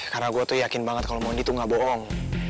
karena gue tuh yakin banget kalau mondi tuh gak bohong